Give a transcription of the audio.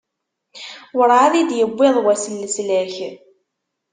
Werɛad i d-yewwiḍ wass n leslak.